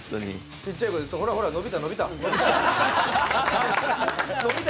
ちっちゃい声でほらほら伸びた伸びたって。